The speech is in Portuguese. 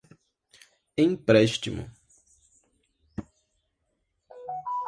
empréstimo